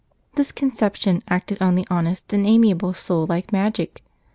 This conception acted on the honest and amiable soul like magic.